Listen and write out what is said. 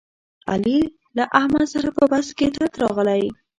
علي له احمد سره په بحث کې تت راغلی.